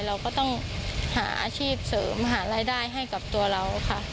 เราก็ต้องหาอาชีพเสริมหารายได้ให้กับตัวเราค่ะ